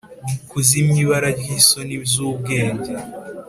kuzimya ibara ryisoni zubwenge,